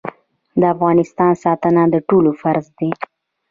د افغانستان ساتنه د ټولو فرض دی